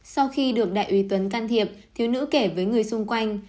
sau khi được đại úy tuấn can thiệp thiếu nữ kể với người xung quanh